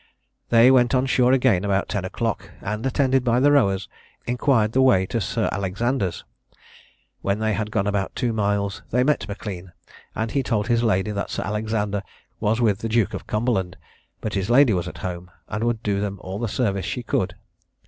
They went on shore again about ten o'clock, and, attended by the rowers, inquired the way to Sir Alexander's. When they had gone about two miles, they met M'Lean; and he told his lady that Sir Alexander was with the Duke of Cumberland, but his lady was at home, and would do them all the service she could.